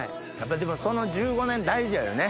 でもその１５年大事やよね。